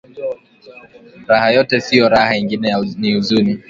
Raha yote siyo raha ingine ni uzuni